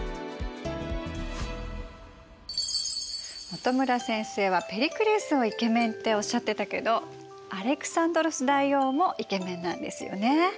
本村先生はペリクレスをイケメンっておっしゃってたけどアレクサンドロス大王もイケメンなんですよね。